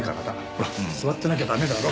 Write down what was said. ほら座ってなきゃダメだろ。